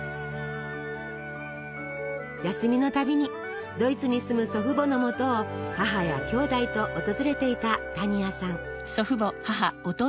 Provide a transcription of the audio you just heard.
休みのたびにドイツに住む祖父母のもとを母やきょうだいと訪れていた多仁亜さん。